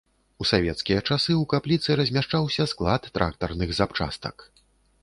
У савецкія часы ў капліцы размяшчаўся склад трактарных запчастак.